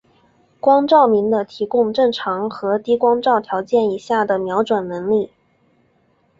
氚光照明的提供正常和低光照条件以下的瞄准能力。